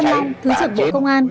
tân long thứ trưởng bộ công an